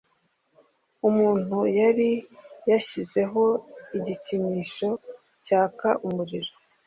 Umuntu yari yashyizeho igikinisho cyaka umuriro